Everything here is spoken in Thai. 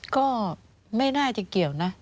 ก็ไม่น่าจะเกี่ยวนะ